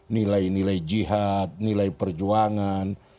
nilai nilai jihad nilai perjuangan